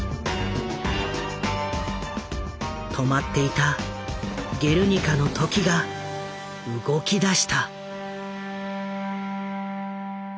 止まっていた「ゲルニカ」の時が動きだした。